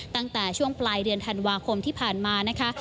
ตั้งแต่ช่วงปลายเดือนธันวาคมที่ผ่านมานะคะ